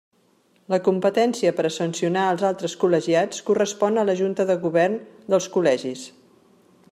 La competència per a sancionar als altres col·legiats correspon a la Junta de Govern dels col·legis.